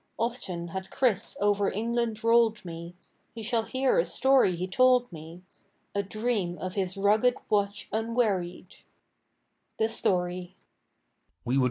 Often had Chris over England rolled me; You shall hear a story he told me A dream of his rugged watch unwearied. THE STORY.